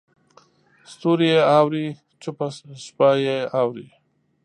ستوري یې اوري چوپه شپه یې اوري